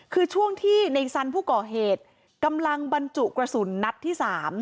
คือช่วงที่ในสันผู้ก่อเหตุกำลังบรรจุกระสุนนัดที่๓